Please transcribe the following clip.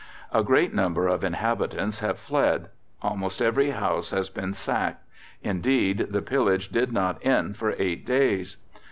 A great number of inhabitants have fled. Almost every house has been sacked; indeed, the pillage did not end for eight days.